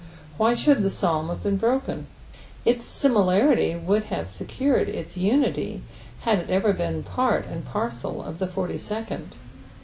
Why shouid (Ae Pso/m haoe been broiten .' its similarHy would Itaut secured iia unity had it ever been pari and pared of the forty tteond.